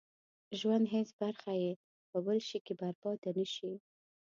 ژوند هېڅ برخه يې په بل شي کې برباده نه شي.